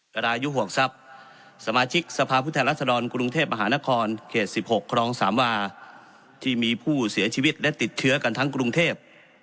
รายุห่วงทรัพย์สมาชิกสภาพผู้แทนรัศดรกรุงเทพมหานครเขต๑๖ครองสามวาที่มีผู้เสียชีวิตและติดเชื้อกันทั้งกรุงเทพ